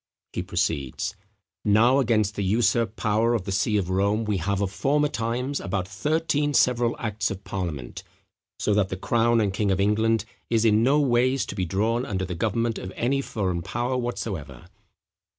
He proceeds: "Now, against the usurped power of the see of Rome, we have of former times about thirteen several acts of parliament, so that the crown and king of England is no ways to be drawn under the government of any foreign power whatsoever."